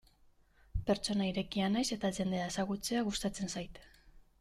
Pertsona irekia naiz eta jendea ezagutzea gustatzen zait.